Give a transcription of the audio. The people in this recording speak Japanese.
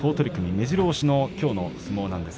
めじろ押しのきょうの相撲です。